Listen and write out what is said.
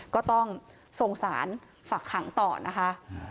ก็ต้องส่งสารฝักขังต่อนะคะ